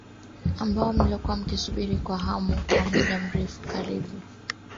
ambao mmekuwa mkisubiri kwa hamu kwa muda mrefu karibu